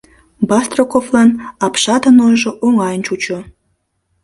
— Бастраковлан апшатын ойжо оҥайын чучо.